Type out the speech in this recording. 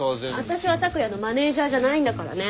私は拓哉のマネージャーじゃないんだからね。